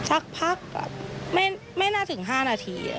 สักพักไม่น่าถึง๕นาที